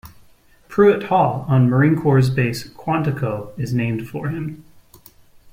Pruitt Hall on Marine Corps Base Quantico is named for him.